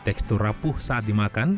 tekstur rapuh saat dimakan